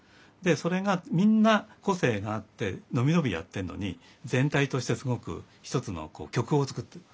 それがみんな個性があってのびのびやってるのに全体としてすごく１つの曲を作ってる。